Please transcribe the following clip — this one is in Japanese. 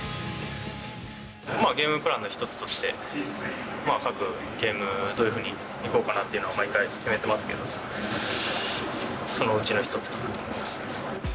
ゲームプランの一つとして、各ゲーム、どういうふうにいこうかなっていうのを毎回決めてますけど、そのうちの一つかなと思います。